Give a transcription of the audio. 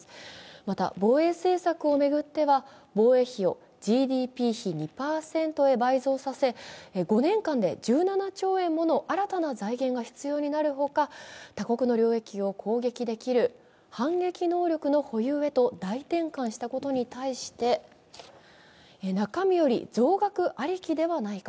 また、防衛政策を巡っては、防衛費をＧＤＰ比２％に倍増させ５年間で１７兆円の新たな財源が必要になる中、他国の領域を攻撃できる反撃能力保有へと大転換したことに対して、中身より増額ありきではないか。